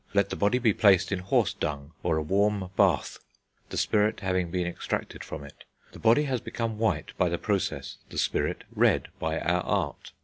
Let the body be placed in horse dung, or a warm bath, the spirit having been extracted from it. The body has become white by the process, the spirit red by our art.